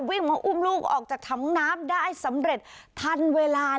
วิ่งมาอุ้มลูกออกจากถังน้ำได้สำเร็จทันเวลา